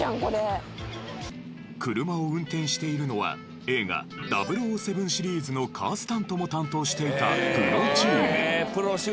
車を運転しているのは映画『００７』シリーズのカースタントも担当していたプロチーム。